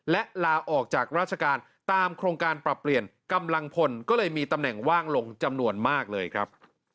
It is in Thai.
และลาออกจากราชการตามโครงการปรับเปลี่ยนกำลังพลก็เลยมีตำแหน่งว่างลงจำนวนมากเลยครับ